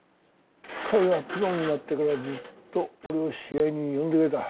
甲斐はプロになってからずっと俺を試合に呼んでくれた。